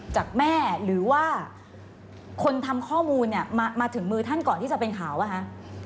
จากแม่หรือว่าคนทำข้อมูลเนี่ยมาถึงมือท่านก่อนที่จะเป็นข่าวป่ะคะ